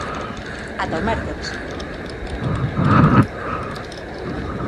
Ata o mércores.